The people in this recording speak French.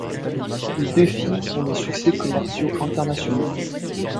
Les deux films sont des succès commerciaux internationaux.